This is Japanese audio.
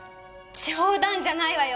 冗談じゃないわよ。